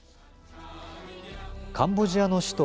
カンボジアの首都